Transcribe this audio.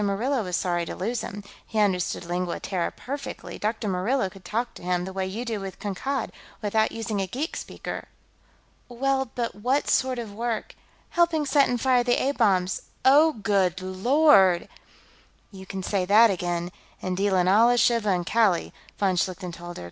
Murillo was sorry to lose him. He understood Lingua Terra perfectly; Dr. Murillo could talk to him, the way you do with Kankad, without using a geek speaker." "Well, but what sort of work ...?" "Helping set and fire the A bombs.... Oh! Good Lord!" "You can say that again, and deal in Allah, Shiva, and Kali," von Schlichten told her.